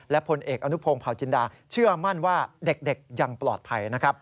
ผลเอกอนุพงศ์เผาจินดาเชื่อมั่นว่าเด็กยังปลอดภัยนะครับ